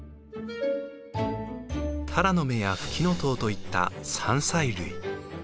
タラの芽やフキノトウといった山菜類。